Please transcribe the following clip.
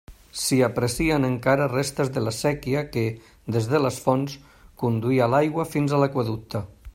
S'hi aprecien encara restes de la séquia que, des de les fonts, conduïa l'aigua fins a l'aqüeducte.